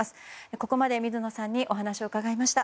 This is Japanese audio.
ここまで水野さんにお話を伺いました。